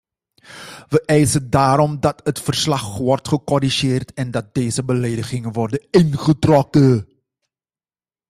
Wij eisen daarom dat het verslag wordt gecorrigeerd en dat deze beledigingen worden ingetrokken.